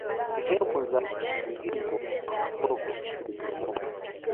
Sehemu za mzingo wa kasoko ziliporomoka